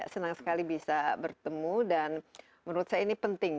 senang sekali bisa bertemu dan menurut saya ini penting